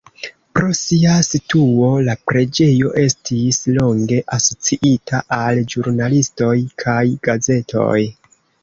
Pro sia situo, la preĝejo estis longe asociita al ĵurnalistoj kaj gazetoj.